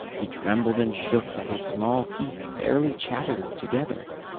He trembled and shook so that his small teeth fairly chattered together.